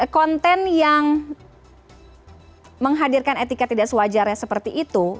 konten yang menghadirkan etika tidak sewajarnya seperti itu